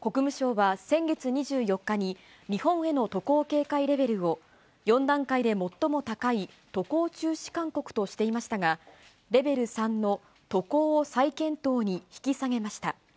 国務省は、先月２４日に、日本への渡航警戒レベルを、４段階で最も高い渡航中止勧告としていましたが、レベル３の渡航を再検討に引き下げました。